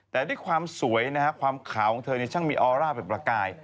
แต่ด้วยความสวยนะฮะความขาวของเธอช่างมีออร่าแบบประกาย